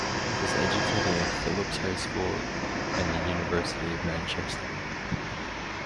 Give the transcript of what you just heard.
He was educated at Philips High School and the University of Manchester.